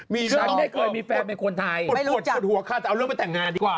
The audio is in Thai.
มีเรื่องของไม่รู้จักปวดหัวข้าจะเอาเรื่องไปแต่งงานดีกว่า